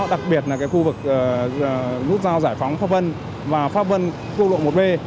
đặc biệt là cái khu vực nút giao giải phóng pháp vân và pháp vân khu vực lộ một b